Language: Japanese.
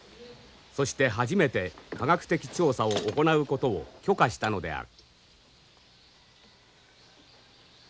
そして初めて科学的調査を行うことを許可したのである。